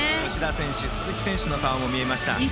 吉田選手鈴木選手の顔も見えました。